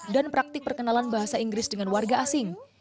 dan praktik perkenalan bahasa inggris dengan warga asing